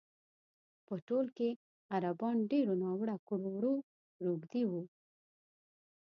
په ټول کې عربان ډېرو ناوړه کړو وړو روږ دي وو.